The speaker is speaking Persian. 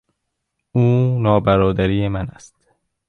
او نابرادری من است.